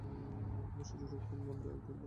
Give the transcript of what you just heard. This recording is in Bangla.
অবশেষে রক্তিম গণ্ড একদিন পাণ্ডুর হয়ে এল।